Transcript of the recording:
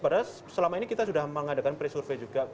padahal selama ini kita sudah mengadakan pre survey juga